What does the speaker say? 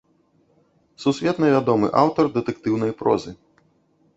Сусветна вядомы аўтар дэтэктыўнай прозы.